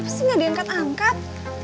kenapa sih gak diangkat angkat